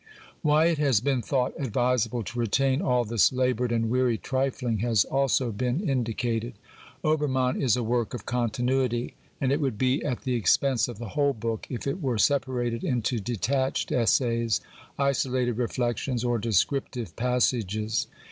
Why it has been thought advisable to retain all this laboured and weary trifling has also been indi cated. Oberina7in is a work of continuity, and it would be at the expense of the whole book if it were separated into detached essays, isolated reflections, or descriptive passages.